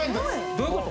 どういうこと？